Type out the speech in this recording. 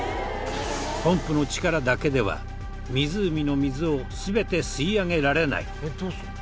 ポンプの力だけでは湖の水を全て吸い上げられない。